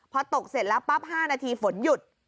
พอตกเสร็จแล้วปั๊บ๕นาทีฝนหยุด